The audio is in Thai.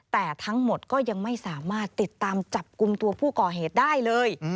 แต่ทั้งหมดก็ยังไม่สามารถติดตามจับกลุ่มตัวผู้ก่อเหตุได้เลย